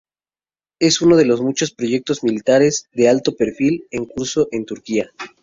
Es uno de los muchos proyectos militares de alto perfil en curso en Turquía.